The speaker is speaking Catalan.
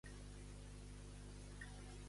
Amb qui més haurà de negociar Duque?